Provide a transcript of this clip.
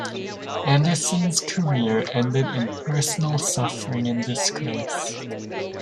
Anderson's career ended in personal suffering and disgrace.